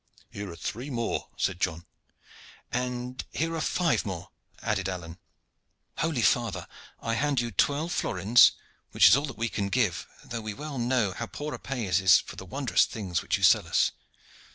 "Here are three more," said John. "And here are five more," added Alleyne. "Holy father, I hand you twelve florins, which is all that we can give, though we well know how poor a pay it is for the wondrous things which you sell us."